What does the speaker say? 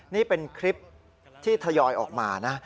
นี่เป็นคลิปที่ทยอยออกมานะ